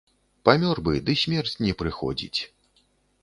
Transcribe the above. Памёр бы, ды смерць не прыходзіць.